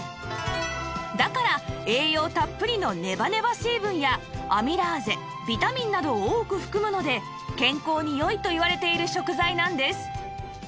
だから栄養たっぷりのネバネバ成分やアミラーゼビタミンなどを多く含むので健康に良いといわれている食材なんです